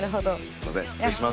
すみません失礼します。